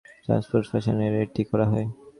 Transpose function ব্যবহার করে এটি করা হয়।